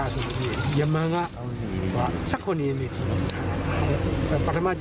ช่วยกำลังเรียนอุปสรรค